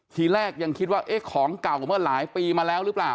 ทีแรกยังคิดว่าเอ๊ะของเก่าเมื่อหลายปีมาแล้วหรือเปล่า